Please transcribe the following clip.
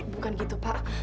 bukan gitu pak